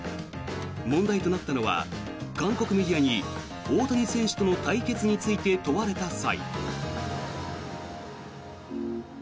問題となったのは韓国メディアに大谷選手との対決について問われた際。